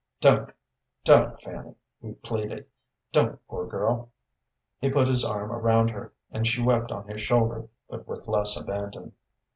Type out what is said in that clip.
"Don't, don't, Fanny," he pleaded. "Don't, poor girl." He put his arm around her, and she wept on his shoulder, but with less abandon.